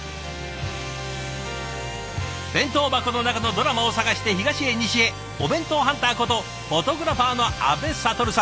弁当箱の中のドラマを探して東へ西へお弁当ハンターことフォトグラファーの阿部了さん。